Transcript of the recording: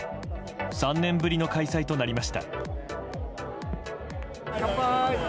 ３年ぶりの開催となりました。